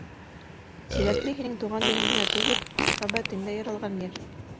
Тирәкле һинең тыуған ерең генә түгел, мөхәббәттең дә яралған ер.